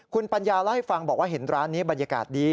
คุณปัญญาเล่าให้ฟังบอกว่าเห็นร้านนี้บรรยากาศดี